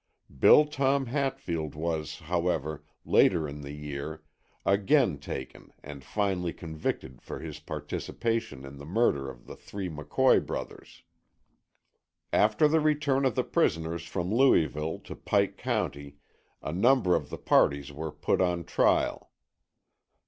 Bill Tom Hatfield was, however, later in the year, again taken and finally convicted for his participation in the murder of the three McCoy brothers. After the return of the prisoners from Louisville to Pike County a number of the parties were put on trial.